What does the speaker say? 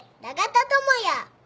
ながたともや」